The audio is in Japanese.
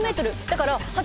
だから８。